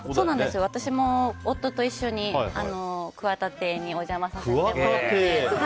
私も夫と一緒に桑田邸にお邪魔させてもらって。